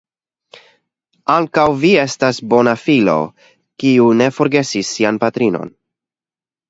Ankaŭ vi estas bona filo, kiu ne forgesis sian patrinon.